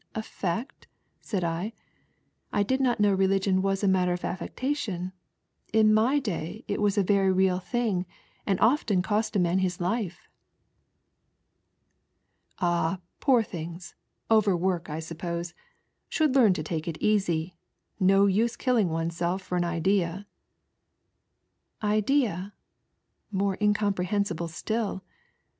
" Affect ?" said I, " I did not know religion was a matter of affectation. In iny day it was a Tery real thing, and often cost a man his life." " Ah, poor things, OTerwork I suppose ; should leant to take it easy, no nse killing oneself for an idea." " Idea ?" more incomprehensible still.